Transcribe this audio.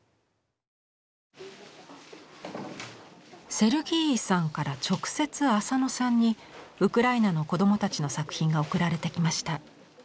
セルギーイさんから直接浅野さんにウクライナの子どもたちの作品が送られてきました。